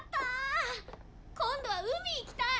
今度は海行きたい！